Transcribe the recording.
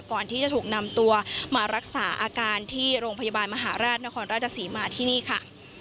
ก่อนที่จะถูกนำตัวมารักษาอาการที่โรงพยาบาลมหาราชนครราชศรีมาที่นี่ค่ะ